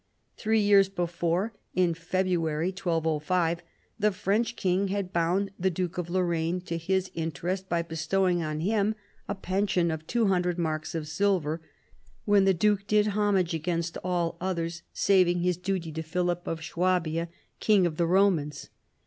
Three years before, in February 1205, the French king had bound the duke of Lorraine to his interest by bestowing on him a pension of 200 marks of silver, when the duke did homage against all others saving his duty to Philip of Swabia, king of the Romans.